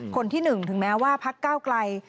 คนที่๑ถึงแม้ว่าพักก้าวไกล